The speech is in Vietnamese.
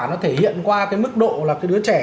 nó thể hiện qua cái mức độ là cái đứa trẻ